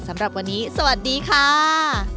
สำหรับวันนี้สวัสดีค่ะ